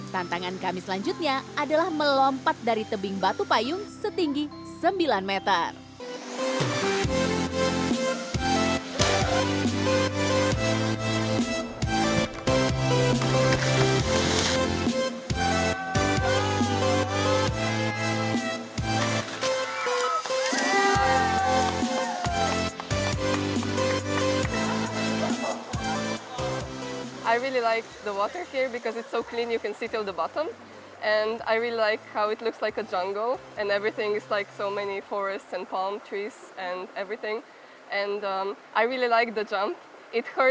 tantangan kami selanjutnya adalah melompat dari tebing batu payung setinggi sembilan meter